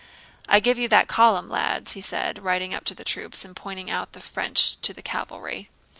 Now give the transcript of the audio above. "I give you that column, lads," he said, riding up to the troops and pointing out the French to the cavalry.